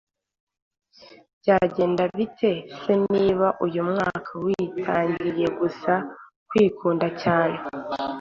byagenda bite se niba uyu mwaka witangiye gusa kwikunda cyane